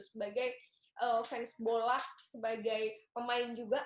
sebagai fans bola sebagai pemain juga